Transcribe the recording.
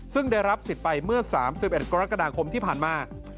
ซึ่งได้รับสิทธิ์ไปเมื่อ๓๑กรกฎาคมที่ผ่านมา